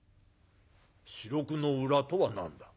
「『四六の裏』とは何だ？」。